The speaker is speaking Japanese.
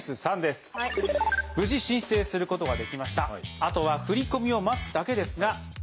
あとは振込を待つだけですがで